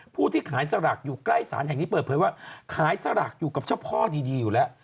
ที่ขายสลากอยู่ใกล้สารแห่งนี้เปิดเผยว่าขายสลากอยู่กับเจ้าพ่อดีอยู่แล้ว